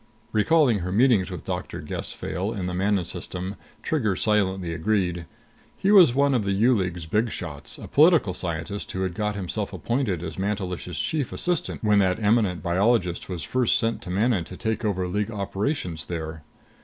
Recalling her meetings with Doctor Gess Fayle in the Manon System, Trigger silently agreed. He was one of the U League's big shots, a political scientist who had got himself appointed as Mantelish's chief assistant when that eminent biologist was first sent to Manon to take over League operations there.